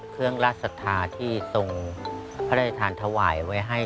เครื่องราชศรัทธาที่ทรงพระราชทานถวายไว้ให้